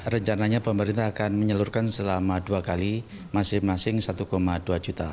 rencananya pemerintah akan menyalurkan selama dua kali masing masing satu dua juta